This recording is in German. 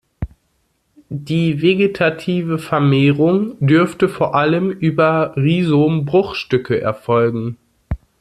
Die vegetative Vermehrung dürfte vor allem über Rhizom-Bruchstücke erfolgen.